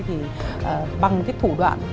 thì bằng cái thủ đoạn